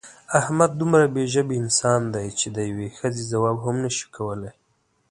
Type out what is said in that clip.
احمد دومره بې ژبې انسان دی چې د یوې ښځې ځواب هم نشي کولی.